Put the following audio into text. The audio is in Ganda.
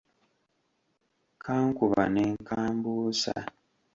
Kankuba ne kambuusa.